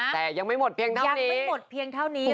แต่ยังไม่หมดเพียงเท่านี้